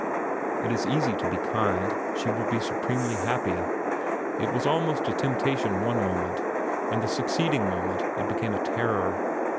It is easy to be kind. She will be supremely happy. It was almost a temptation one moment, and the succeeding moment it became a terror.